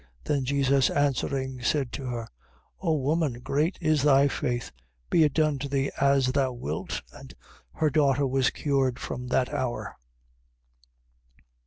15:28. Then Jesus answering, said to her: O woman, great is thy faith: be it done to thee as thou wilt: and her daughter was cured from that hour.